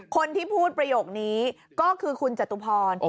คนที่พูดประโยคนี้ก็คือคุณจตุพร